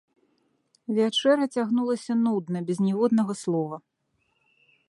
Вячэра цягнулася нудна, без ніводнага слова.